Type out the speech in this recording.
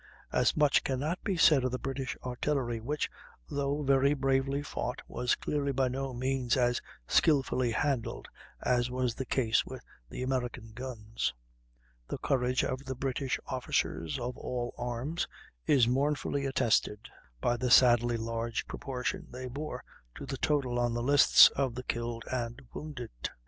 As much cannot be said of the British artillery, which, though very bravely fought was clearly by no means as skilfully handled as was the case with the American guns. The courage of the British officers of all arms is mournfully attested by the sadly large proportion they bore to the total on the lists of the killed and wounded.